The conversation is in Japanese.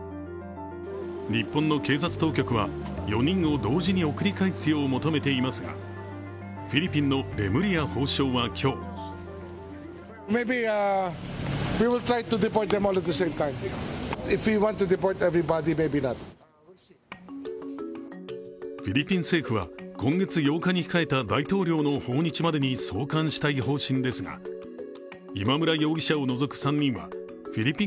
日本の警察当局は４人を同時に送り返すよう求めていますがフィリピンのレムリヤ法相は今日フィリピン政府は今月８日に控えた大統領の訪日までに送還したい方針ですが今村容疑者を除く３人は、フィリピン